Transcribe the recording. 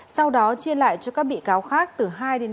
sau đó chia lại cho các bị cáo khác từ hai ba